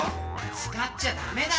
使っちゃ駄目だよ！